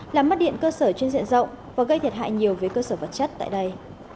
làm mất điện cơ sở trên diện rộng và gây thiệt hại nhiều về cơ sở vật chất tại đây